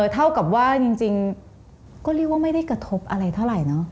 เท่ากับว่าจริงก็เรียกว่าไม่ได้กระทบอะไรเท่าไหร่เนอะ